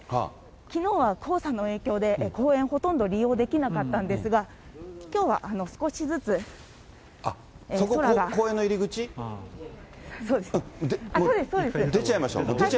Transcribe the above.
きのうは黄砂の影響で公園、ほとんど利用できなかったんですが、そこ、そうです、出ちゃいましょう、思いっきり。